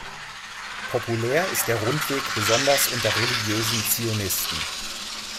Populär ist der Rundweg besonders unter Religiösen Zionisten.